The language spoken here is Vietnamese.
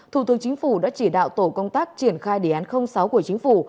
thủ tướng chính phủ đã chỉ đạo tổ công tác triển khai đề án sáu của chính phủ